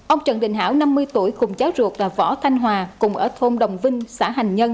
ông trần đình hảo năm mươi tuổi cùng cháu ruột và võ thanh hòa cùng ở thôn đồng vinh xã hành nhân